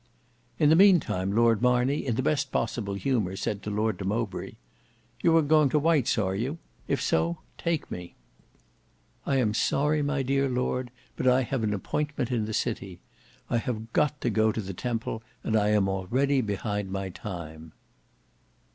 In the meantime Lord Marney in the best possible humour said to Lord de Mowbray, "You are going to White's are you? If so take me." "I am sorry, my dear Lord, but I have an appointment in the city. I have got to go to the Temple, and I am already behind my time."